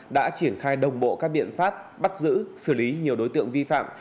đã triển khai đồng bộ các biện pháp bắt giữ xử lý nhiều đối tượng vi phạm